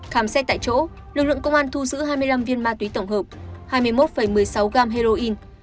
khám xét tại chỗ lực lượng công an thu giữ hai mươi năm viên ma túy tổng hợp hai mươi một một mươi sáu gram heroin